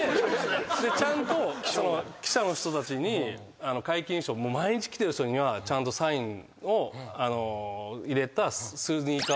ちゃんと記者の人たちに皆勤賞毎日来てる人にはちゃんとサインを入れたスニーカーだとか